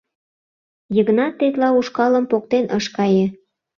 Йыгнат тетла ушкалым поктен ыш кае.